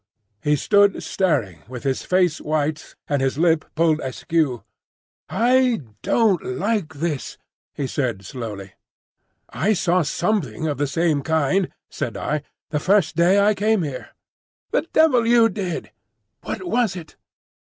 He stood staring, with his face white and his lip pulled askew. "I don't like this," he said slowly. "I saw something of the same kind," said I, "the first day I came here." "The devil you did! What was it?"